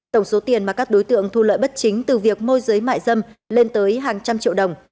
tổng số tiền mà các đối tượng thu lợi bất chính từ việc môi giới mại dâm lên tới hàng trăm triệu đồng